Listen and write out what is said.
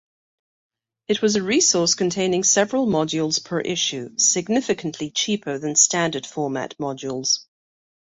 It was a resource containing several modules per issue, significantly cheaper than standard-format modules.